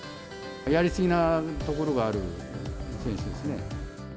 やり過ぎなところがある選手ですね。